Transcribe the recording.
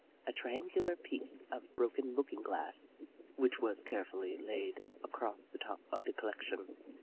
a triangular piece of broken looking glass, which was carefully laid across the top of the collection.